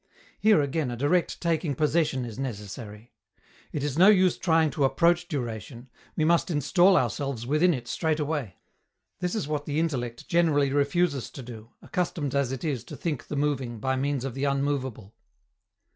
Here again a direct taking possession is necessary. It is no use trying to approach duration: we must install ourselves within it straight away. This is what the intellect generally refuses to do, accustomed as it is to think the moving by means of the unmovable.